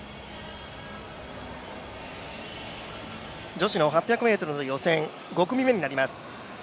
女子の８００ｍの予選、５組目になります。